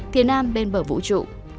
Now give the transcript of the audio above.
thiên nam bên bờ vũ trụ